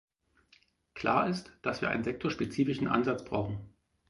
Klar ist, dass wir einen sektorspezifischen Ansatz brauchen.